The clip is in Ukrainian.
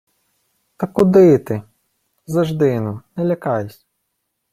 — Та куди ти! Зажди-но, не лякайсь!